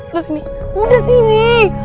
lo sini udah sini